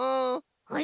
あれ！？